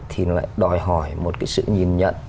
thì lại đòi hỏi một cái sự nhìn nhận